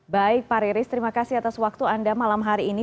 baik pak riris terima kasih atas waktu anda malam hari ini